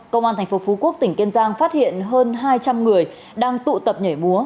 công an tp phú quốc tỉnh kiên giang phát hiện hơn hai trăm linh người đang tụ tập nhảy mua